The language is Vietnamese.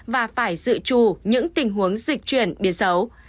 và phải dự trù những tình huống dịch chuyển biến xấu